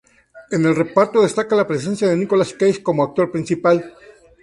En el reparto destaca la presencia de Nicolas Cage como actor principal.